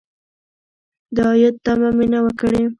د عاید تمه مې نه وه کړې.